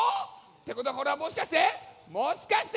ってことはこれはもしかしてもしかして！